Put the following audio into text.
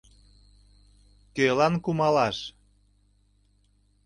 Кӧлан кумалаш?